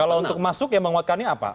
kalau untuk masuk yang menguatkannya apa